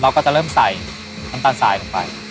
เราก็จะเริ่มใส่น้ำตาลสายลงไป